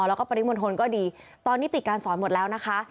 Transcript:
แล้วก็ปริมณฑลก็ดีตอนนี้ปิดการสอนหมดแล้วนะคะ